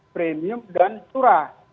premium dan curah